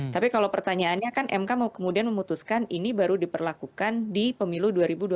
tapi kalau pertanyaannya kan mk mau kemudian memutuskan ini baru diperlakukan di pemilu dua ribu dua puluh